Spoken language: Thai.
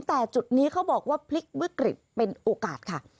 แต่จุดนี้เขาบอกว่าพลิกวิกฤตเป็นโอกาสค่ะ